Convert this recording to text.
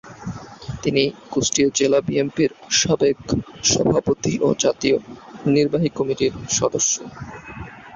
তিনি কুষ্টিয়া জেলা বিএনপির সাবেক সভাপতি ও জাতীয় নির্বাহী কমিটির সদস্য।